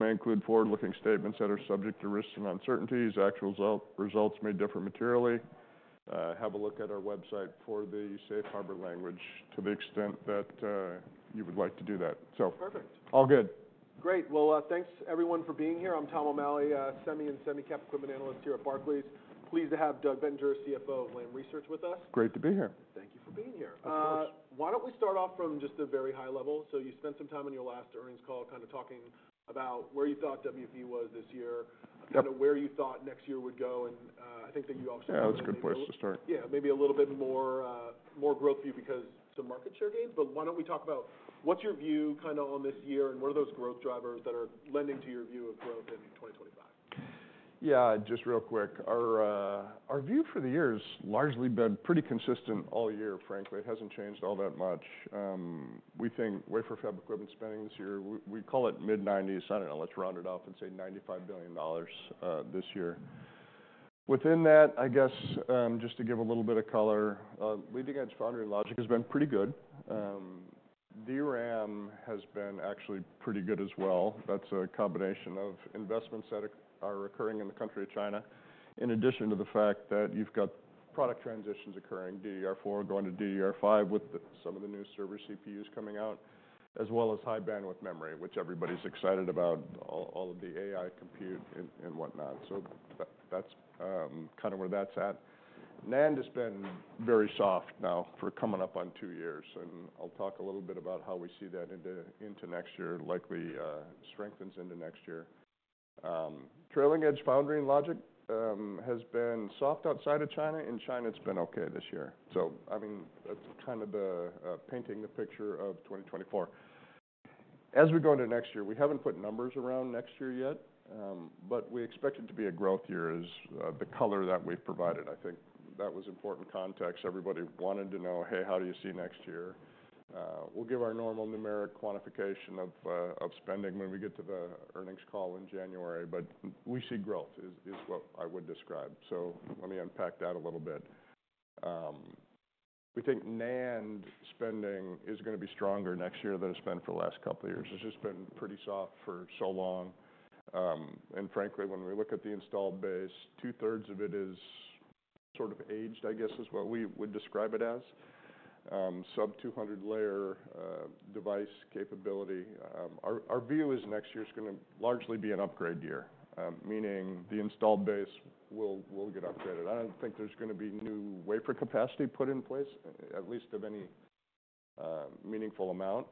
May include forward-looking statements that are subject to risks and uncertainties. Actual results may differ materially. Have a look at our website for the safe harbor language to the extent that you would like to do that. So. Perfect. All good. Great. Well, thanks everyone for being here. I'm Tom O'Malley, semi and semi-cap equipment analyst here at Barclays. Pleased to have Doug Bettinger, CFO of Lam Research, with us. Great to be here. Thank you for being here. Of course. Why don't we start off from just a very high level? So you spent some time on your last earnings call kinda talking about where you thought WFE was this year. Yep. Kinda where you thought next year would go, and I think that you all should. Yeah, that's a good place to start. Yeah, maybe a little bit more, more growth for you because some market share gains. But why don't we talk about what's your view kinda on this year and what are those growth drivers that are lending to your view of growth in 2025? Yeah, just real quick. Our view for the year has largely been pretty consistent all year, frankly. It hasn't changed all that much. We think wafer fab equipment spending this year, we call it mid-90s. I don't know. Let's round it off and say $95 billion, this year. Within that, I guess, just to give a little bit of color, leading-edge foundry logic has been pretty good. DRAM has been actually pretty good as well. That's a combination of investments that are occurring in the country of China, in addition to the fact that you've got product transitions occurring, DDR4 going to DDR5 with some of the new server CPUs coming out, as well as high bandwidth memory, which everybody's excited about, all of the AI compute and whatnot. So that's kinda where that's at. NAND has been very soft now for coming up on two years, and I'll talk a little bit about how we see that into next year, likely strengthens into next year. Trailing-edge foundry logic has been soft outside of China. In China, it's been okay this year, so I mean, that's kinda the painting the picture of 2024. As we go into next year, we haven't put numbers around next year yet, but we expect it to be a growth year, the color that we've provided. I think that was important context. Everybody wanted to know, "Hey, how do you see next year?" We'll give our normal numeric quantification of spending when we get to the earnings call in January, but we see growth is what I would describe, so let me unpack that a little bit. We think NAND spending is gonna be stronger next year than it's been for the last couple of years. It's just been pretty soft for so long, and frankly, when we look at the installed base, two-thirds of it is sort of aged, I guess, is what we would describe it as. Sub-200 layer device capability. Our view is next year's gonna largely be an upgrade year, meaning the installed base will get upgraded. I don't think there's gonna be new wafer capacity put in place, at least of any meaningful amount,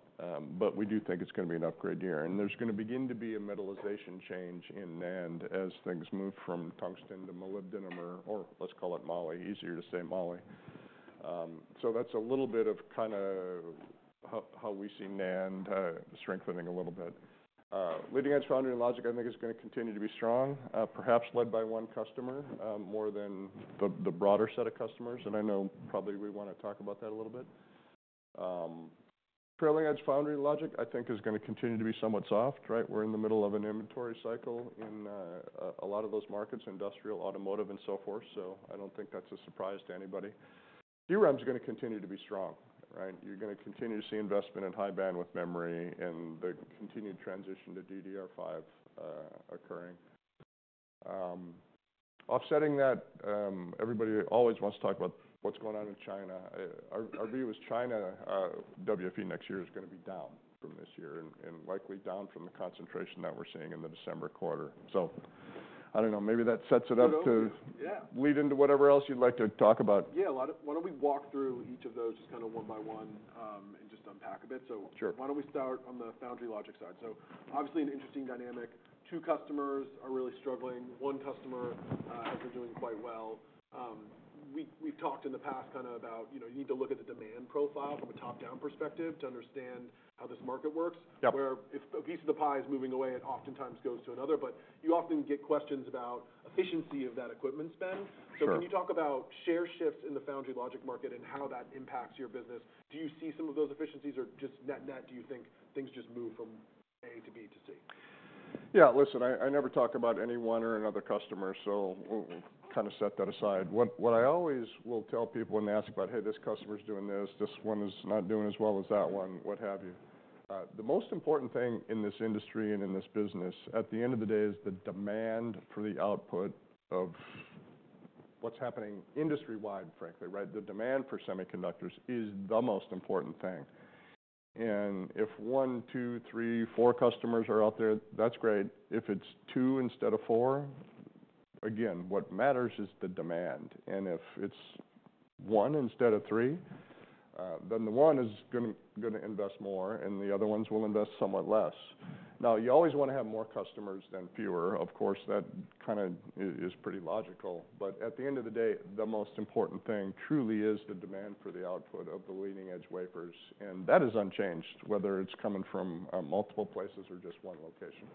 but we do think it's gonna be an upgrade year, and there's gonna begin to be a metallization change in NAND as things move from tungsten to molybdenum or let's call it moly. Easier to say moly, so that's a little bit of kinda how we see NAND strengthening a little bit. Leading-edge foundry logic, I think, is gonna continue to be strong, perhaps led by one customer, more than the broader set of customers. And I know probably we wanna talk about that a little bit. Trailing-edge foundry logic, I think, is gonna continue to be somewhat soft, right? We're in the middle of an inventory cycle in a lot of those markets, industrial, automotive, and so forth. So I don't think that's a surprise to anybody. DRAM's gonna continue to be strong, right? You're gonna continue to see investment in high bandwidth memory and the continued transition to DDR5 occurring. Offsetting that, everybody always wants to talk about what's going on in China. Our view is China WFE next year is gonna be down from this year and likely down from the concentration that we're seeing in the December quarter. So I don't know. Maybe that sets it up to. So. Yeah. Lead into whatever else you'd like to talk about. Yeah. Why don't we walk through each of those just kinda one by one, and just unpack a bit? So. Sure. Why don't we start on the foundry logic side? So obviously an interesting dynamic. Two customers are really struggling. One customer has been doing quite well. We've talked in the past kinda about, you know, you need to look at the demand profile from a top-down perspective to understand how this market works. Yep. Where if a piece of the pie is moving away, it oftentimes goes to another. But you often get questions about efficiency of that equipment spend. Sure. So can you talk about share shifts in the foundry logic market and how that impacts your business? Do you see some of those efficiencies or just net-net do you think things just move from A to B to C? Yeah. Listen, I never talk about any one or another customer. So we'll kinda set that aside. What I always will tell people when they ask about, "Hey, this customer's doing this. This one is not doing as well as that one," what have you. The most important thing in this industry and in this business at the end of the day is the demand for the output of what's happening industry-wide, frankly, right? The demand for semiconductors is the most important thing. And if one, two, three, four customers are out there, that's great. If it's two instead of four, again, what matters is the demand. And if it's one instead of three, then the one is gonna invest more and the other ones will invest somewhat less. Now, you always wanna have more customers than fewer. Of course, that kinda is pretty logical. But at the end of the day, the most important thing truly is the demand for the output of the leading-edge wafers. And that is unchanged, whether it's coming from multiple places or just one location.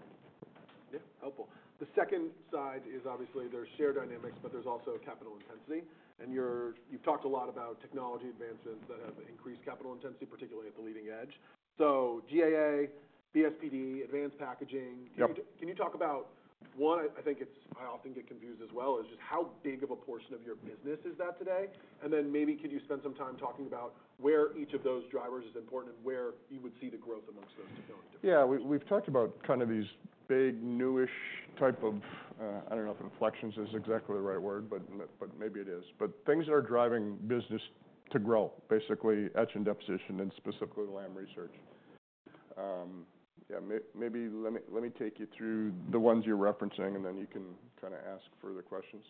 Yeah. Helpful. The second side is obviously there's share dynamics, but there's also capital intensity. And you've talked a lot about technology advancements that have increased capital intensity, particularly at the leading edge. So GAA, BSPD, advanced packaging. Yep. Can you talk about one? I think I often get confused as well, is just how big of a portion of your business is that today? And then maybe could you spend some time talking about where each of those drivers is important and where you would see the growth amongst those technologies? Yeah. We've talked about kinda these big new-ish type of. I don't know if inflection is exactly the right word, but maybe it is. But things that are driving business to grow, basically etch and deposition and specifically Lam Research. Yeah, maybe let me take you through the ones you're referencing and then you can kinda ask further questions.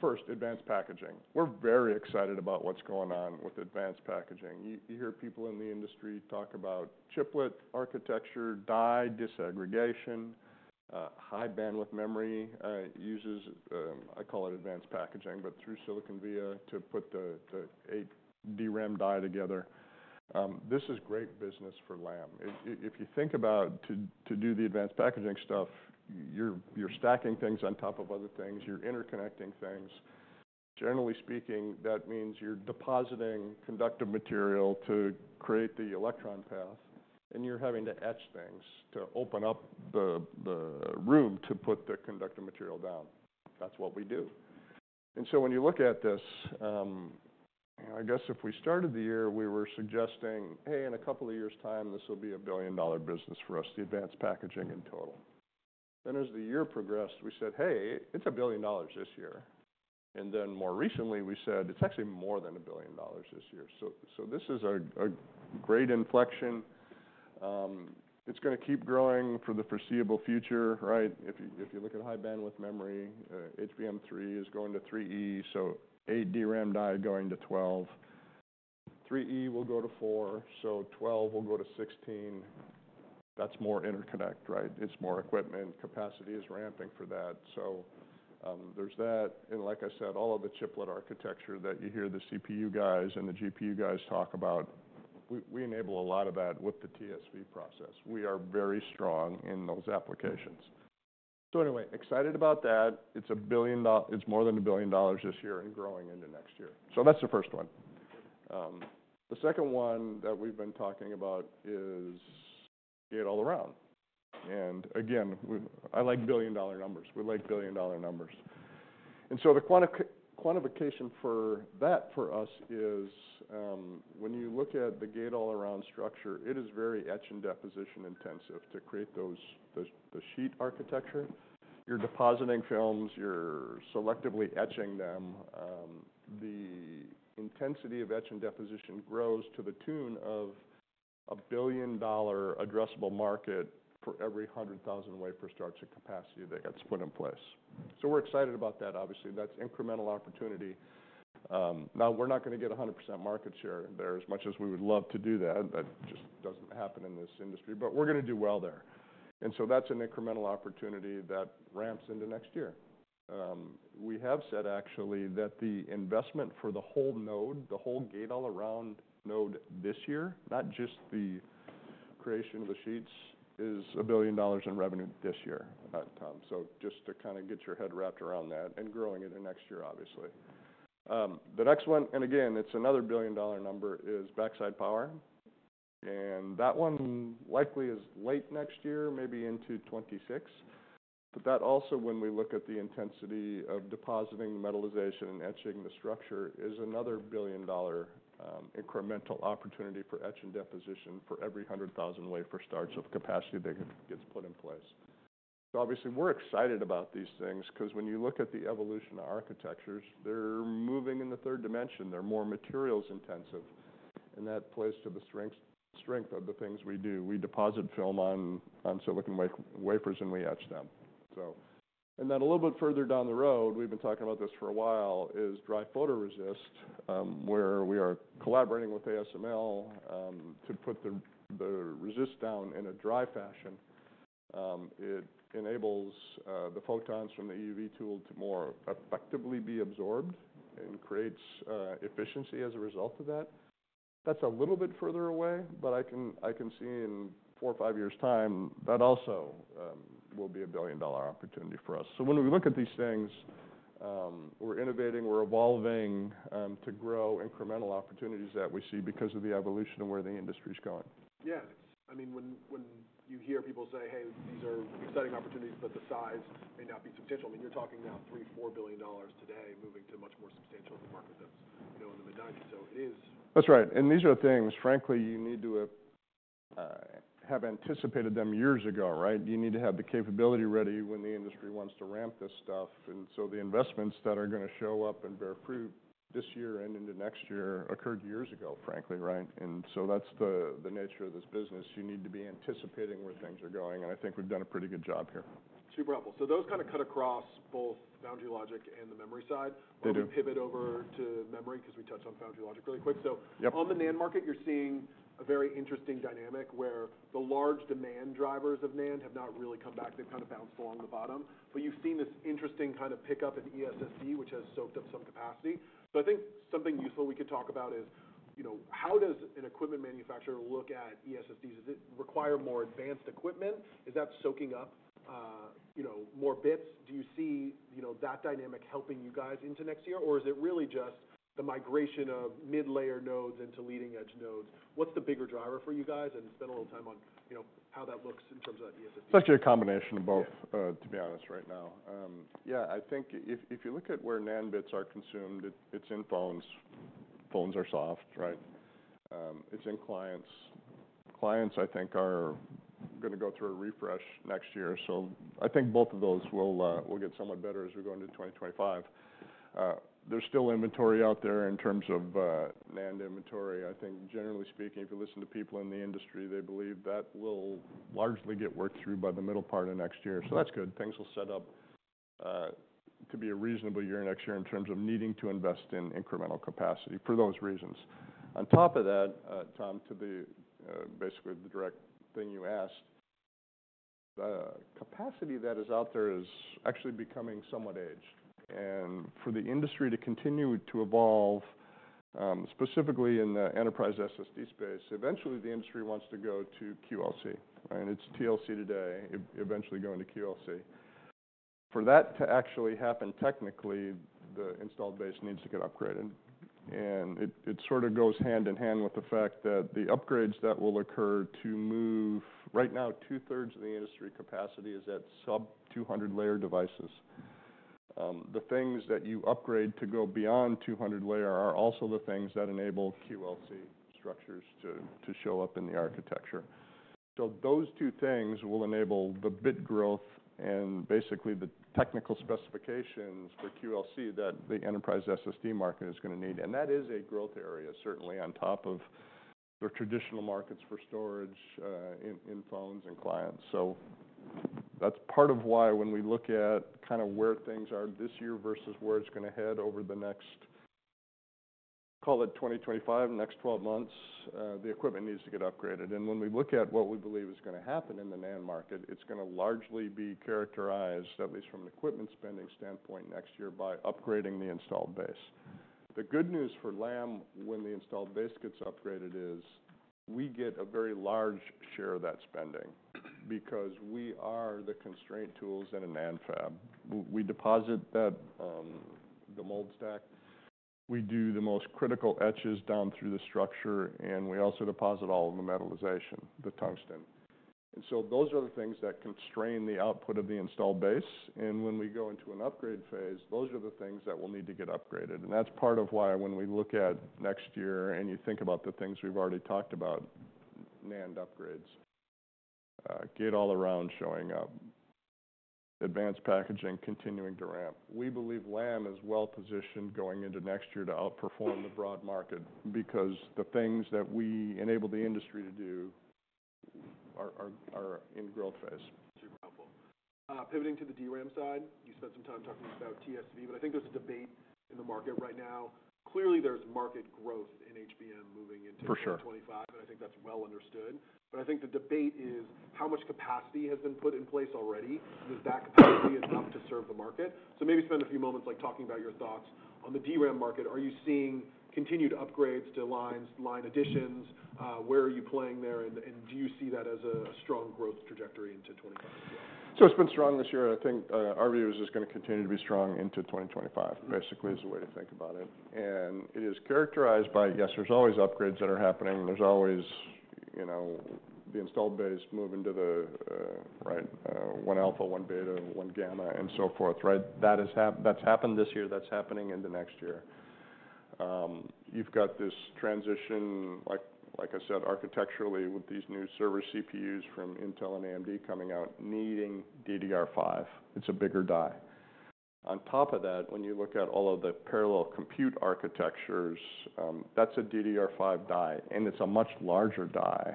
First, advanced packaging. We're very excited about what's going on with advanced packaging. You hear people in the industry talk about chiplet architecture, die disaggregation, high bandwidth memory uses. I call it advanced packaging, but through-silicon via to put the eight DRAM die together. This is great business for Lam. If you think about to do the advanced packaging stuff, you're stacking things on top of other things. You're interconnecting things. Generally speaking, that means you're depositing conductive material to create the electron path. And you're having to etch things to open up the room to put the conductive material down. That's what we do. And so when you look at this, you know, I guess if we started the year, we were suggesting, "Hey, in a couple of years' time, this will be a billion-dollar business for us, the advanced packaging in total." Then as the year progressed, we said, "Hey, it's a billion dollars this year." And then more recently, we said, "It's actually more than a billion dollars this year." So this is a great inflection. It's gonna keep growing for the foreseeable future, right? If you look at high bandwidth memory, HBM3 is going to 3E. So eight DRAM die going to 12. 3E will go to four. So 12 will go to 16. That's more interconnect, right? It's more equipment. Capacity is ramping for that. So, there's that. And like I said, all of the chiplet architecture that you hear the CPU guys and the GPU guys talk about, we enable a lot of that with the TSV process. We are very strong in those applications. So anyway, excited about that. It's $1 billion. It's more than $1 billion this year and growing into next year. So that's the first one. The second one that we've been talking about is gate-all-around. And again, we, I like billion-dollar numbers. We like billion-dollar numbers. And so the quantification for that for us is, when you look at the gate-all-around structure, it is very etch and deposition intensive to create those nanosheet architecture. You're depositing films. You're selectively etching them. The intensity of etch and deposition grows to the tune of a $1 billion addressable market for every 100,000 wafer starts and capacity that gets put in place. So we're excited about that, obviously. That's incremental opportunity. Now, we're not gonna get 100% market share there as much as we would love to do that. That just doesn't happen in this industry. But we're gonna do well there. And so that's an incremental opportunity that ramps into next year. We have said, actually, that the investment for the whole node, the whole gate-all-around node this year, not just the creation of the nanosheets, is $1 billion in revenue this year, Tom. So just to kinda get your head wrapped around that and growing into next year, obviously. The next one, and again, it's another $1 billion number, is backside power. And that one likely is late next year, maybe into 2026. But that also, when we look at the intensity of depositing, metallization, and etching the structure, is another billion-dollar, incremental opportunity for etch and deposition for every 100,000 wafer starts of capacity that gets put in place. So obviously, we're excited about these things 'cause when you look at the evolution of architectures, they're moving in the third dimension. They're more materials intensive. And that plays to the strength of the things we do. We deposit film on silicon wafers and we etch them. So and then a little bit further down the road, we've been talking about this for a while, is dry photoresist, where we are collaborating with ASML to put the resist down in a dry fashion. It enables the photons from the EUV tool to more effectively be absorbed and creates efficiency as a result of that. That's a little bit further away, but I can see in four or five years' time that also will be a billion-dollar opportunity for us. So when we look at these things, we're innovating. We're evolving to grow incremental opportunities that we see because of the evolution of where the industry's going. Yeah. I mean, when, when you hear people say, "Hey, these are exciting opportunities, but the size may not be substantial," I mean, you're talking now $3-$4 billion today moving to much more substantial market that's, you know, in the mid-90s. So it is. That's right. And these are things, frankly, you need to have anticipated them years ago, right? You need to have the capability ready when the industry wants to ramp this stuff. And so the investments that are gonna show up and bear fruit this year and into next year occurred years ago, frankly, right? And so that's the nature of this business. You need to be anticipating where things are going. And I think we've done a pretty good job here. Super helpful. So those kinda cut across both foundry logic and the memory side. They do. We're gonna pivot over to memory 'cause we touched on foundry logic really quick. So. Yep. On the NAND market, you're seeing a very interesting dynamic where the large demand drivers of NAND have not really come back. They've kinda bounced along the bottom. But you've seen this interesting kinda pickup in eSSD, which has soaked up some capacity. So I think something useful we could talk about is, you know, how does an equipment manufacturer look at eSSD? Does it require more advanced equipment? Is that soaking up, you know, more bits? Do you see, you know, that dynamic helping you guys into next year? Or is it really just the migration of mid-layer nodes into leading-edge nodes? What's the bigger driver for you guys, and spend a little time on, you know, how that looks in terms of that eSSD. It's actually a combination of both, to be honest, right now. Yeah, I think if you look at where NAND bits are consumed, it's in phones. Phones are soft, right? It's in clients. Clients, I think, are gonna go through a refresh next year. So I think both of those will get somewhat better as we go into 2025. There's still inventory out there in terms of NAND inventory. I think, generally speaking, if you listen to people in the industry, they believe that will largely get worked through by the middle part of next year. So that's good. Things will set up to be a reasonable year next year in terms of needing to invest in incremental capacity for those reasons. On top of that, Tom, to the basically the direct thing you asked, capacity that is out there is actually becoming somewhat aged. For the industry to continue to evolve, specifically in the enterprise SSD space, eventually the industry wants to go to QLC, right? It's TLC today, eventually going to QLC. For that to actually happen technically, the installed base needs to get upgraded. And it sorta goes hand in hand with the fact that the upgrades that will occur to move right now, two-thirds of the industry capacity is at sub-200 layer devices. The things that you upgrade to go beyond 200 layer are also the things that enable QLC structures to show up in the architecture. So those two things will enable the bit growth and basically the technical specifications for QLC that the enterprise SSD market is gonna need. And that is a growth area, certainly, on top of the traditional markets for storage, in phones and clients. So that's part of why when we look at kinda where things are this year versus where it's gonna head over the next, call it 2025, next 12 months, the equipment needs to get upgraded. And when we look at what we believe is gonna happen in the NAND market, it's gonna largely be characterized, at least from an equipment spending standpoint next year, by upgrading the installed base. The good news for Lam when the installed base gets upgraded is we get a very large share of that spending because we are the constraint tools in a NAND fab. We deposit that, the mold stack. We do the most critical etches down through the structure. And we also deposit all of the metallization, the tungsten. And so those are the things that constrain the output of the installed base. When we go into an upgrade phase, those are the things that will need to get upgraded. That's part of why when we look at next year and you think about the things we've already talked about, NAND upgrades, gate-all-around showing up, advanced packaging continuing to ramp. We believe Lam is well-positioned going into next year to outperform the broad market because the things that we enable the industry to do are in growth phase. Super helpful. Pivoting to the DRAM side, you spent some time talking about TSV, but I think there's a debate in the market right now. Clearly, there's market growth in HBM moving into. For sure. 2025. And I think that's well understood. But I think the debate is how much capacity has been put in place already? And is that capacity enough to serve the market? So maybe spend a few moments like talking about your thoughts on the DRAM market. Are you seeing continued upgrades to lines, line additions? Where are you playing there? And do you see that as a strong growth trajectory into 2025 as well? So it's been strong this year. And I think, our view is it's gonna continue to be strong into 2025, basically, is the way to think about it. And it is characterized by, yes, there's always upgrades that are happening. There's always, you know, the installed base moving to the, right, one alpha, one beta, one gamma, and so forth, right? That has. That's happened this year. That's happening into next year. You've got this transition, like I said, architecturally with these new server CPUs from Intel and AMD coming out, needing DDR5. It's a bigger die. On top of that, when you look at all of the parallel compute architectures, that's a DDR5 die. And it's a much larger die.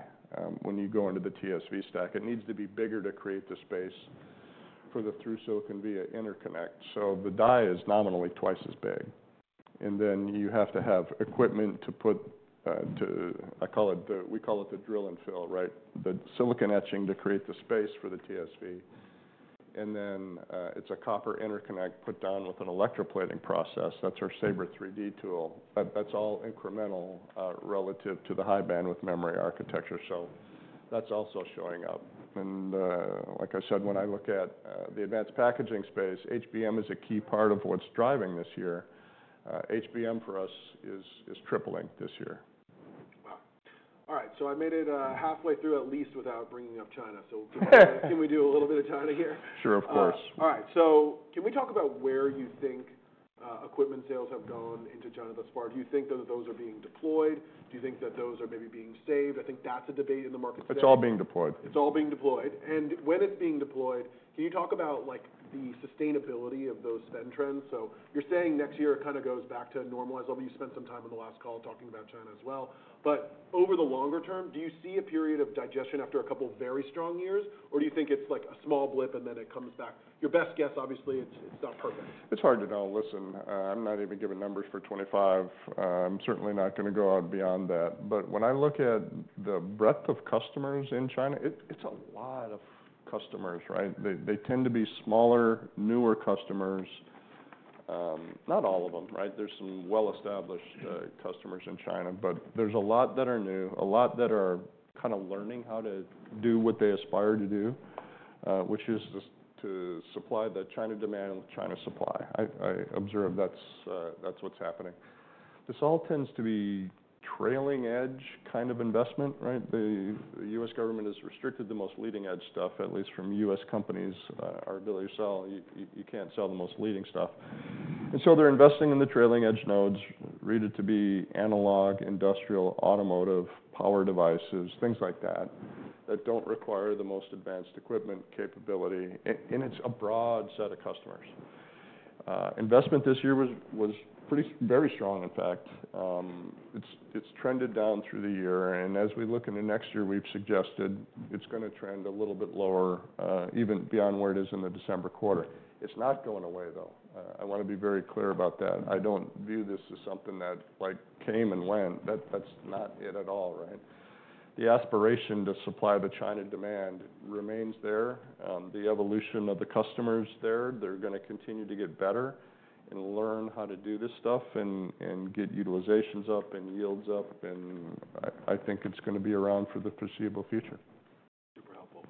When you go into the TSV stack, it needs to be bigger to create the space for the through-silicon via interconnect. The die is nominally twice as big. You have to have equipment to put, we call it the drill and fill, right? The silicon etching to create the space for the TSV. It's a copper interconnect put down with an electroplating process. That's our Sabre 3D tool. That's all incremental, relative to the high bandwidth memory architecture. That's also showing up. Like I said, when I look at the advanced packaging space, HBM is a key part of what's driving this year. HBM for us is tripling this year. Wow. All right. So I made it halfway through at least without bringing up China. So can we do a little bit of China here? Sure, of course. All right. So can we talk about where you think, equipment sales have gone into China thus far? Do you think that those are being deployed? Do you think that those are maybe being saved? I think that's a debate in the market space. It's all being deployed. It's all being deployed. And when it's being deployed, can you talk about, like, the sustainability of those spend trends? So you're saying next year kinda goes back to normalize. Although you spent some time on the last call talking about China as well. But over the longer term, do you see a period of digestion after a couple very strong years? Or do you think it's like a small blip and then it comes back? Your best guess, obviously, it's not perfect. It's hard to know. Listen, I'm not even giving numbers for 2025. I'm certainly not gonna go out beyond that. But when I look at the breadth of customers in China, it's a lot of customers, right? They tend to be smaller, newer customers. Not all of them, right? There's some well-established customers in China. But there's a lot that are new, a lot that are kinda learning how to do what they aspire to do, which is to supply the China demand and the China supply. I observe that's what's happening. This all tends to be trailing edge kind of investment, right? The U.S. government has restricted the most leading-edge stuff, at least from U.S. companies. Our ability to sell, you can't sell the most leading stuff. And so they're investing in the trailing edge nodes, rated to be analog, industrial, automotive, power devices, things like that, that don't require the most advanced equipment capability. And it's a broad set of customers. Investment this year was pretty very strong, in fact. It's trended down through the year. And as we look into next year, we've suggested it's gonna trend a little bit lower, even beyond where it is in the December quarter. It's not going away, though. I wanna be very clear about that. I don't view this as something that, like, came and went. That's not it at all, right? The aspiration to supply the China demand remains there. The evolution of the customers there, they're gonna continue to get better and learn how to do this stuff and get utilizations up and yields up. I think it's gonna be around for the foreseeable future. Super helpful.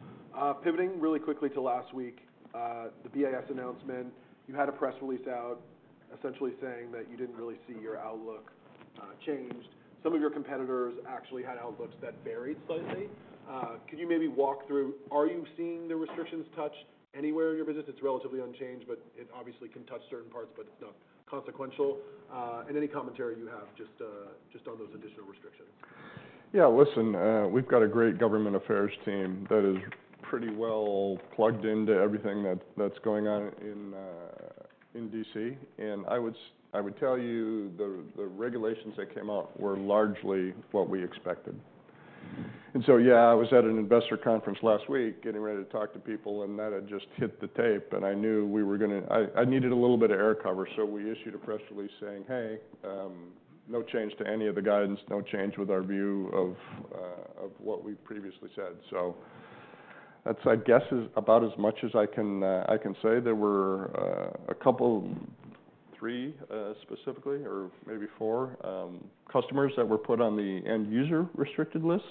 Pivoting really quickly to last week, the BIS announcement. You had a press release out essentially saying that you didn't really see your outlook changed. Some of your competitors actually had outlooks that varied slightly. Could you maybe walk through, are you seeing the restrictions touch anywhere in your business? It's relatively unchanged, but it obviously can touch certain parts, but it's not consequential, and any commentary you have just on those additional restrictions? Yeah. Listen, we've got a great government affairs team that is pretty well plugged into everything that's going on in DC. I would say I would tell you the regulations that came out were largely what we expected. Yeah, I was at an investor conference last week getting ready to talk to people. That had just hit the tape. I knew we were gonna. I needed a little bit of air cover. We issued a press release saying, "Hey, no change to any of the guidance, no change with our view of what we previously said." That's, I guess, about as much as I can say. There were a couple, three, specifically, or maybe four, customers that were put on the end user restricted list.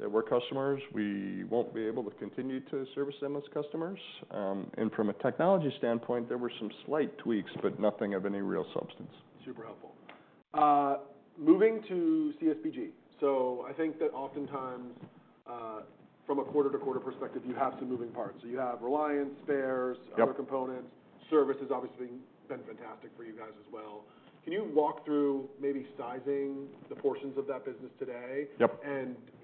They were customers. We won't be able to continue to service them as customers, and from a technology standpoint, there were some slight tweaks, but nothing of any real substance. Super helpful. Moving to CSBG. So I think that oftentimes, from a quarter-to-quarter perspective, you have some moving parts. So you have Reliant spares. Yep. Other components. Service has obviously been fantastic for you guys as well. Can you walk through maybe sizing the portions of that business today? Yep.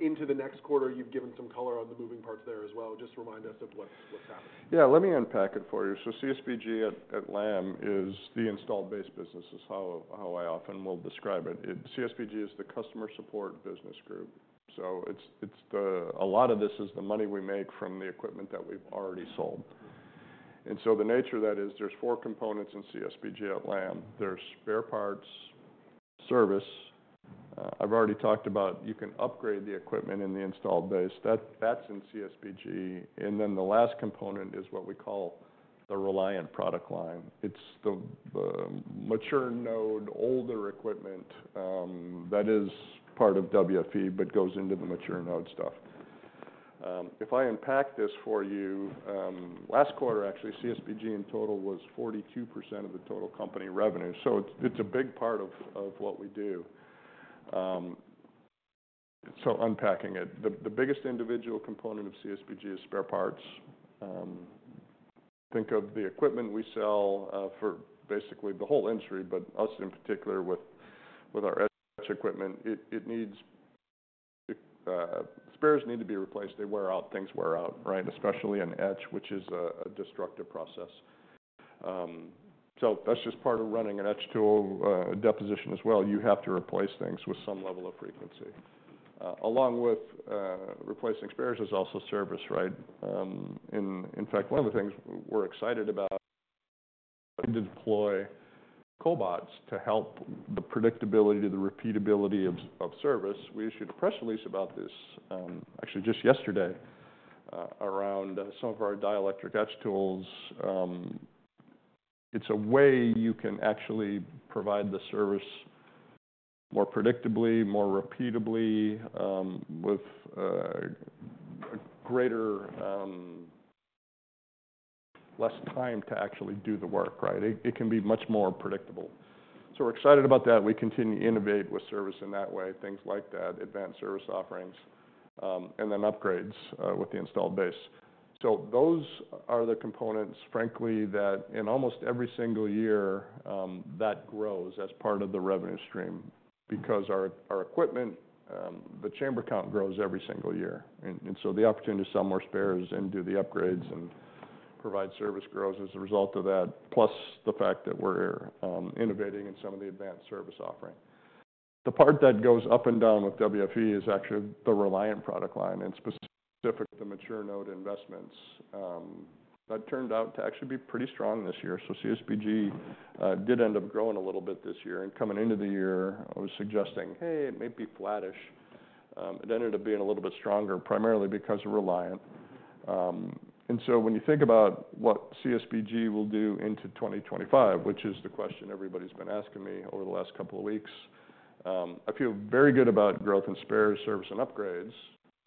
Into the next quarter, you've given some color on the moving parts there as well. Just remind us of what's happening. Yeah. Let me unpack it for you. So CSBG at Lam is the installed base business, how I often will describe it. CSBG is the Customer Support Business Group. So it's a lot of this is the money we make from the equipment that we've already sold. And so the nature of that is there's four components in CSBG at Lam. There's spare parts, service. I've already talked about. You can upgrade the equipment in the installed base. That's in CSBG. And then the last component is what we call the Reliant product line. It's the mature node, older equipment, that is part of WFE but goes into the mature node stuff. If I unpack this for you, last quarter, actually, CSBG in total was 42% of the total company revenue. So it's a big part of what we do. So unpacking it, the biggest individual component of CSBG is spare parts. Think of the equipment we sell, for basically the whole industry, but us in particular with our etch equipment, it needs it, spares need to be replaced. They wear out. Things wear out, right? Especially an etch, which is a destructive process. So that's just part of running an etch tool, deposition as well. You have to replace things with some level of frequency. Along with replacing spares is also service, right? In fact, one of the things we're excited about to deploy cobots to help the predictability, the repeatability of service. We issued a press release about this, actually just yesterday, around some of our dielectric etch tools. It's a way you can actually provide the service more predictably, more repeatably, with less time to actually do the work, right? It can be much more predictable. So we're excited about that. We continue to innovate with service in that way, things like that, advanced service offerings, and then upgrades, with the installed base. So those are the components, frankly, that in almost every single year, that grows as part of the revenue stream because our equipment, the chamber count grows every single year. And so the opportunity to sell more spares and do the upgrades and provide service grows as a result of that, plus the fact that we're innovating in some of the advanced service offering. The part that goes up and down with WFE is actually the Reliant product line and specifically the mature node investments. That turned out to actually be pretty strong this year. So CSBG did end up growing a little bit this year. Coming into the year, I was suggesting, "Hey, it may be flattish." It ended up being a little bit stronger primarily because of Reliant. So when you think about what CSBG will do into 2025, which is the question everybody's been asking me over the last couple of weeks, I feel very good about growth in spares, service, and upgrades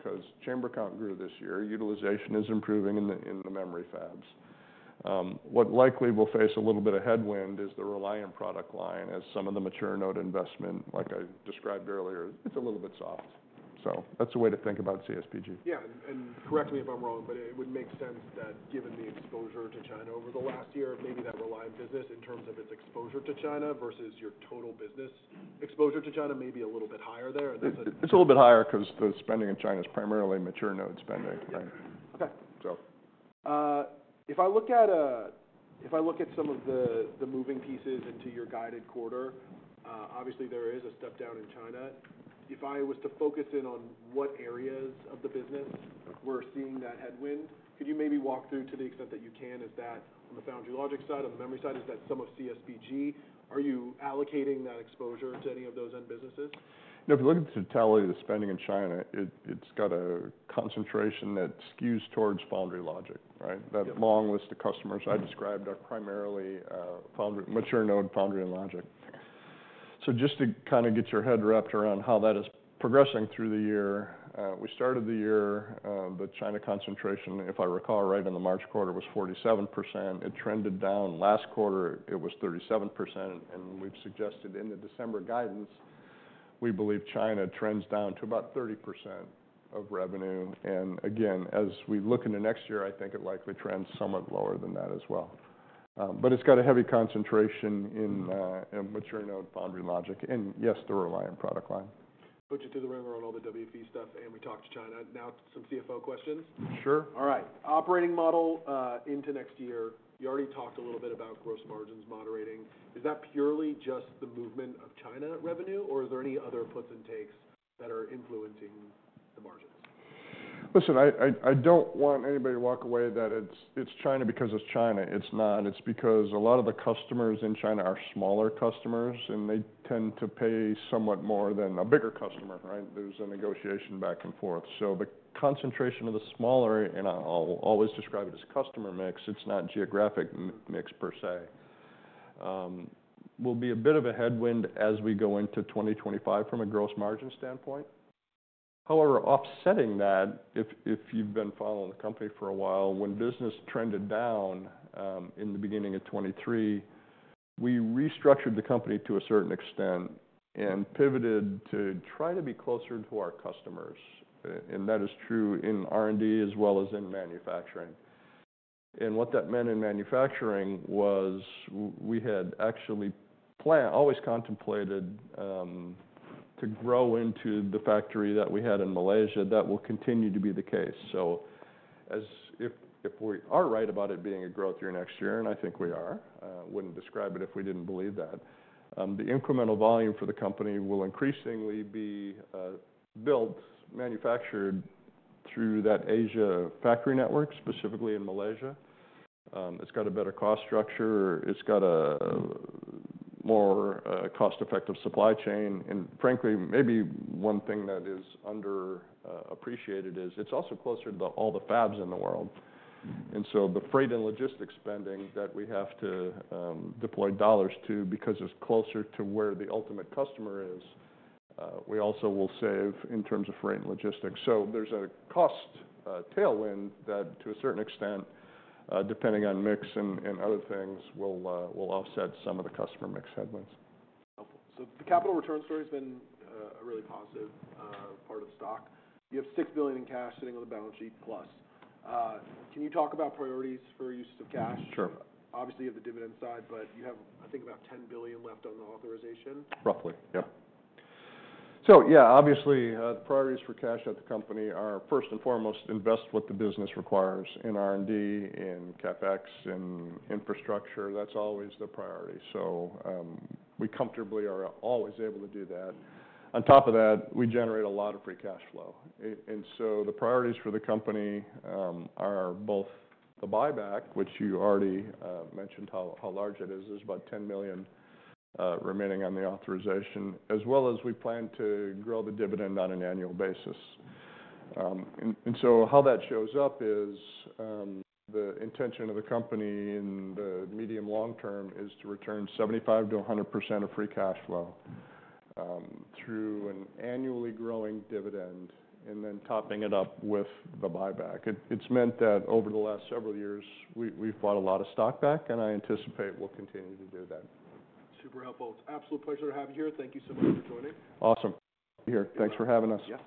'cause chamber count grew this year. Utilization is improving in the memory fabs. What likely will face a little bit of headwind is the Reliant product line as some of the mature node investment, like I described earlier, it's a little bit soft. That's a way to think about CSBG. Yeah. And, correct me if I'm wrong, but it would make sense that given the exposure to China over the last year, maybe that Reliant business in terms of its exposure to China versus your total business exposure to China may be a little bit higher there. And that's a. It's a little bit higher 'cause the spending in China is primarily mature node spending, right? Okay. So. If I look at some of the moving pieces into your guided quarter, obviously there is a step down in China. If I was to focus in on what areas of the business were seeing that headwind, could you maybe walk through, to the extent that you can, is that on the foundry logic side, on the memory side, is that some of CSBG? Are you allocating that exposure to any of those end businesses? No, if you look at the totality of the spending in China, it's got a concentration that skews towards foundry logic, right? Yep. That long list of customers I described are primarily foundry mature node, foundry and logic. So just to kinda get your head wrapped around how that is progressing through the year, we started the year, the China concentration, if I recall right in the March quarter, was 47%. It trended down. Last quarter, it was 37%. And we've suggested in the December guidance, we believe China trends down to about 30% of revenue. And again, as we look into next year, I think it likely trends somewhat lower than that as well. But it's got a heavy concentration in mature node, foundry logic, and yes, the Reliant product line. Put you through the wringer on all the WFE stuff and we talked about China. Now, some CFO questions. Sure. All right. Operating model, into next year, you already talked a little bit about gross margins moderating. Is that purely just the movement of China revenue, or are there any other puts and takes that are influencing the margins? Listen, I don't want anybody to walk away that it's China because it's China. It's not. It's because a lot of the customers in China are smaller customers, and they tend to pay somewhat more than a bigger customer, right? There's a negotiation back and forth. So the concentration of the smaller, and I'll always describe it as customer mix, it's not geographic mix per se, will be a bit of a headwind as we go into 2025 from a gross margin standpoint. However, offsetting that, if you've been following the company for a while, when business trended down, in the beginning of 2023, we restructured the company to a certain extent and pivoted to try to be closer to our customers. That is true in R&D as well as in manufacturing. And what that meant in manufacturing was we had actually planned, always contemplated, to grow into the factory that we had in Malaysia. That will continue to be the case. So if we are right about it being a growth year next year, and I think we are, wouldn't describe it if we didn't believe that, the incremental volume for the company will increasingly be built, manufactured through that Asia factory network, specifically in Malaysia. It's got a better cost structure. It's got a more cost-effective supply chain. And frankly, maybe one thing that is underappreciated is it's also closer to all the fabs in the world. And so the freight and logistics spending that we have to deploy dollars to because it's closer to where the ultimate customer is, we also will save in terms of freight and logistics. So there's a cost tailwind that to a certain extent, depending on mix and other things, will offset some of the customer mix headwinds. Helpful. So the capital return story has been a really positive part of the stock. You have $6 billion in cash sitting on the balance sheet plus. Can you talk about priorities for use of cash? Sure. Obviously, you have the dividend side, but you have, I think, about $10 billion left on the authorization. Roughly. Yep. So, yeah, obviously, the priorities for cash at the company are first and foremost, invest what the business requires in R&D, in CapEx, in infrastructure. That's always the priority. So, we comfortably are always able to do that. On top of that, we generate a lot of free cash flow. And so the priorities for the company are both the buyback, which you already mentioned how large it is. There's about 10 million remaining on the authorization, as well as we plan to grow the dividend on an annual basis. And so how that shows up is, the intention of the company in the medium-long term is to return 75%-100% of free cash flow, through an annually growing dividend and then topping it up with the buyback. It's meant that over the last several years, we've bought a lot of stock back, and I anticipate we'll continue to do that. Super helpful. It's an absolute pleasure to have you here. Thank you so much for joining. Awesome. Here. Thanks for having us.